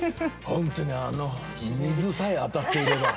本当にあの水さえ当たっていれば。